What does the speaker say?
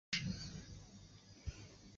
一个项目每个国家只允许派一支队参加。